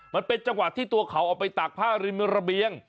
มันเป็นจังหวะที่ตัวเขาออกไปตากผ้าริมระเบียง